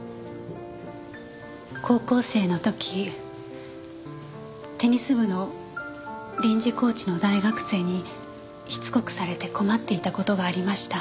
高校生の時テニス部の臨時コーチの大学生にしつこくされて困っていた事がありました。